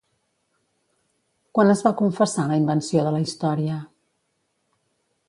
Quan es va confessar la invenció de la història?